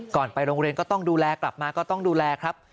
ไปโรงเรียนก็ต้องดูแลกลับมาก็ต้องดูแลครับ